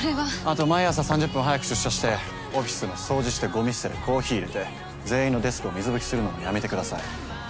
後毎朝３０分早く出社してオフィスの掃除してごみ捨ててコーヒーいれて全員のデスクを水拭きするのもやめてください。